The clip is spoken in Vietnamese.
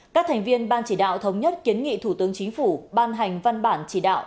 các thành viên ban chỉ đạo thống nhất kiến nghị thủ tướng chính phủ ban hành văn bản chỉ đạo